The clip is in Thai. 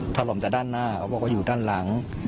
ถล่มจากด้านหน้าเขาบอกว่าอยู่ด้านหลัง